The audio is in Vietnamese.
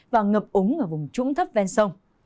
và ngập ống ở vùng trũng thấp ven sông